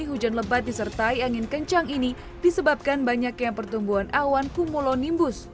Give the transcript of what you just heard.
hujan lebat disertai angin kencang ini disebabkan banyaknya pertumbuhan awan kumulonimbus